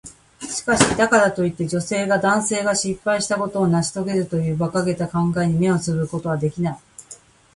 しかし、だからといって、女性が男性が失敗したことを成し遂げるという馬鹿げた考えに目をつぶることはできない。